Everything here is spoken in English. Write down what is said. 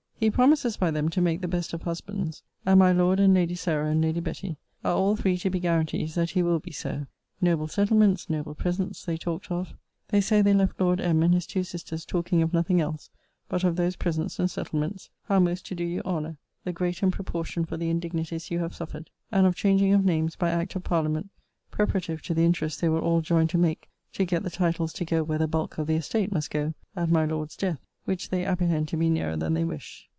He promises by them to make the best of husbands; and my Lord, and Lady Sarah, and Lady Betty, are all three to be guarantees that he will be so. Noble settlements, noble presents, they talked of: they say, they left Lord M. and his two sisters talking of nothing else but of those presents and settlements, how most to do you honour, the greater in proportion for the indignities you have suffered; and of changing of names by act of parliament, preparative to the interest they will all join to make to get the titles to go where the bulk of the estate must go, at my Lord's death, which they apprehend to be nearer than they wish.